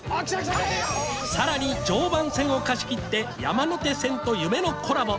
更に常磐線を貸し切って山手線と夢のコラボ！